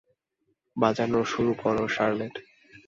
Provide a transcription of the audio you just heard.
বাজানো শুরু করো শার্লেট।